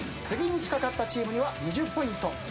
次に近かったチームには２０ポイント。